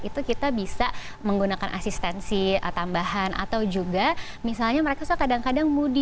itu kita bisa menggunakan asistensi tambahan atau juga misalnya mereka suka kadang kadang moody